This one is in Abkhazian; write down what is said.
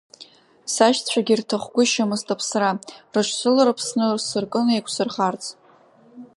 Сашьцәагьы ирҭахгәышьамызт аԥсра, рыҽсыларԥсны сыркын еиқәсырхарц.